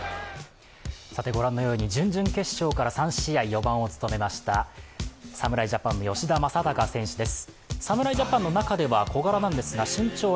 準々決勝から３試合４番を務めました侍ジャパンの吉田正尚選手です。